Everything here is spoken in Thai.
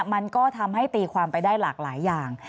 มันก็ทำให้ตีความไปได้หลากหลายอย่าง